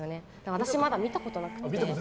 私、まだ見たことなくて。